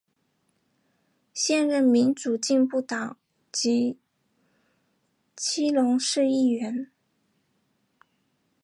现任民主进步党籍基隆市议员。